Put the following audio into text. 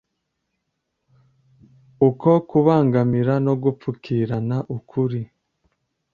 uko kubangamira no gupfukirana ukuri.